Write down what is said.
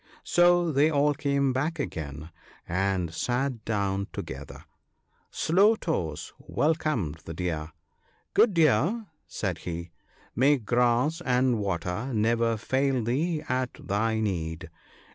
So they all came back again, and sat down together. Slow toes welcomed the Deer. "Good Deer," said he, "may grass and water never fail thee at thy need.